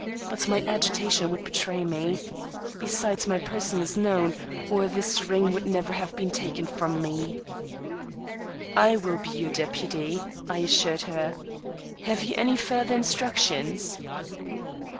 But my agitation would betray me. Besides, my person is known, or this ring would never have been taken from me. "I will be your deputy," I assured her. "Have you any further instructions?"